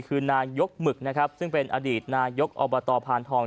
คือนายกหมึกนะครับซึ่งเป็นอดีตนายกอบตพานทอง